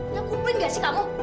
ngaku ngupiin gak sih kamu